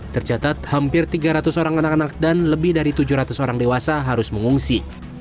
tercatat hampir tiga ratus orang anak anak dan lebih dari tujuh ratus orang dewasa harus mengungsi